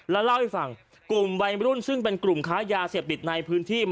แล้วเล่าให้ฟังกลุ่มวัยรุ่นซึ่งเป็นกลุ่มค้ายาเสพติดในพื้นที่